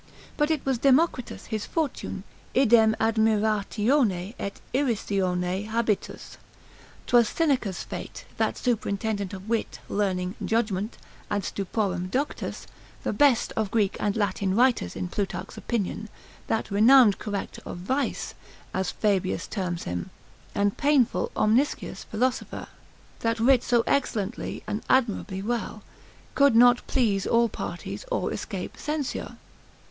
But it was Democritus his fortune, Idem admirationi et irrisioni habitus. 'Twas Seneca's fate, that superintendent of wit, learning, judgment, ad stuporem doctus, the best of Greek and Latin writers, in Plutarch's opinion; that renowned corrector of vice, as, Fabius terms him, and painful omniscious philosopher, that writ so excellently and admirably well, could not please all parties, or escape censure.